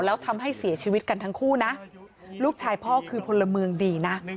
แล้วทำให้เสียชีวิตกันทั้งคู่นะลูกชายพ่อคือพลเมืองดีนะ